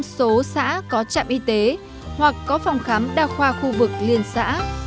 một trăm linh số xã có trạm y tế hoặc có phòng khám đa khoa khu vực liên xã